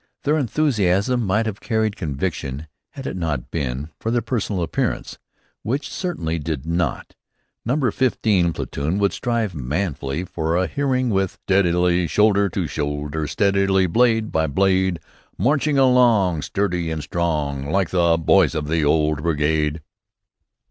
Their enthusiasm might have carried conviction had it not been for their personal appearance, which certainly did not. Number 15 platoon would strive manfully for a hearing with "Steadily, shoulder to shoulder, Steadily, blade by blade; Marching along, Sturdy and strong, Like the boys of the old brigade."